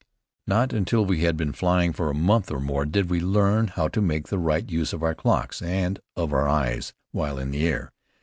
Not until we had been flying for a month or more did we learn how to make the right use of our clocks and of our eyes while in the air.